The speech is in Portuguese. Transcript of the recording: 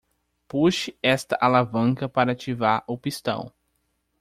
Puxe esta alavanca para ativar o pistão.